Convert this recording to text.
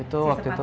itu waktu itu